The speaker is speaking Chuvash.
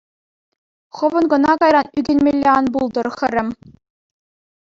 Хӑвӑн кӑна кайран ӳкӗнмелле ан пултӑр, хӗрӗм.